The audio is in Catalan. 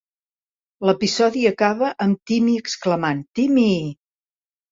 L'episodi acaba amb Timmy exclamant "Timmy"!